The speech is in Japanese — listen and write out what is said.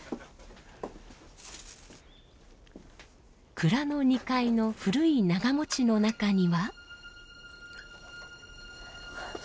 蔵の２階の古い長持ちの中には。